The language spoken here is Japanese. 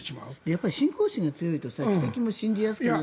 やっぱり信仰心が強いと奇跡も信じやすくなって。